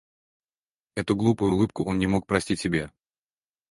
Эту глупую улыбку он не мог простить себе.